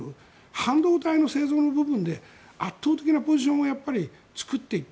半導体の製造の部分で圧倒的なポジションを作っていった。